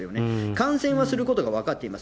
感染はすることが分かっています。